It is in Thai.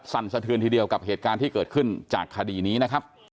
สั่นสะเทือนทีเดียวกับเหตุการณ์ที่เกิดขึ้นจากคดีนี้นะครับ